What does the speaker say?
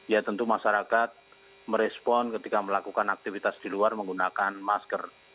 ya tentu masyarakat merespon ketika melakukan aktivitas di luar menggunakan masker